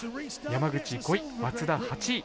山口５位、松田８位。